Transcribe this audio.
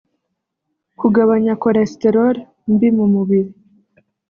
Kugabanya cholesterole mbi mu mubiri